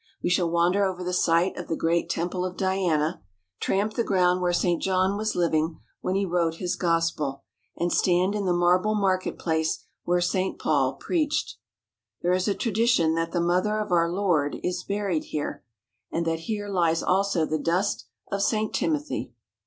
We shall wander over the site of the great Temple of Diana, tramp the ground where St. John was living when he wrote his gospel, and stand in the marble market place where St. Paul preached. There is a tradition that the mother of our Lord was buried here, and that here lies also the dust of St. Timothy.